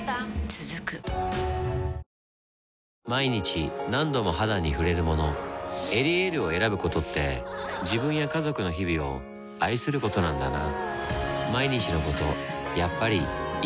続く毎日何度も肌に触れるもの「エリエール」を選ぶことって自分や家族の日々を愛することなんだなぁ